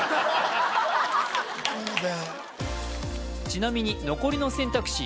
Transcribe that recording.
ちなみに残りの選択肢